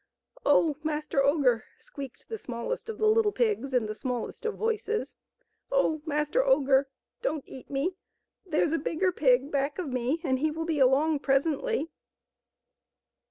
"Oh, Master Ogre," squeaked the smallest of the little pigs in the smallest of voices —" oh. Master Ogre, don't eat me ! There's a bigger pig back of me, and he will be along presently."